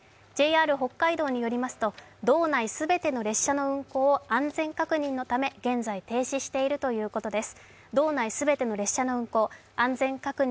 ＪＲ北海道によりますと、道内全ての列車の運行を安全確認のため現在、停止しているということです。